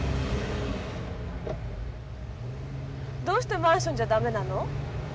どうしてマンションじゃだめなの？